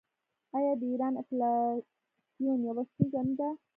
آیا د ایران انفلاسیون یوه ستونزه نه ده؟